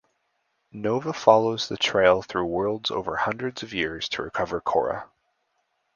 Nova follows the trail through worlds over hundreds of years to recover Kora.